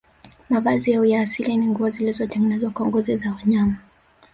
Mavazi yao ya asili ni nguo zilizotengenezwa kwa ngozi za wanyama